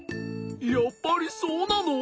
やっぱりそうなの？